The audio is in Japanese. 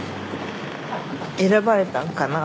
選ばれたのかな？